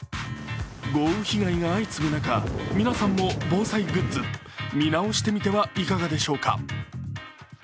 豪雨被害が相次ぐ中、皆さんも防災グッズ見直してみてはいかがでしょうか。